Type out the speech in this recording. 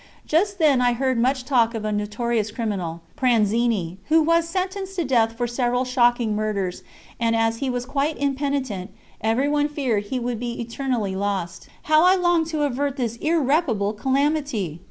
Just then I heard much talk of a notorious criminal, Pranzini, who was sentenced to death for several shocking murders, and, as he was quite impenitent, everyone feared he would be eternally lost. How I longed to avert this irreparable calamity!